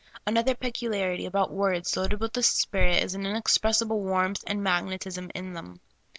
Another peculiarity about w^ords loaded with the Spirit is an inexpressible warmth and magnetism in them.